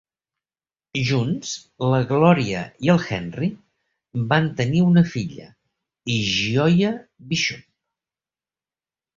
Junts, la Gloria i el Henry van tenir una filla, Gioia Bishop.